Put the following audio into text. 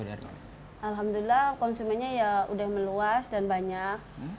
alhamdulillah konsumennya ya udah meluas dan banyak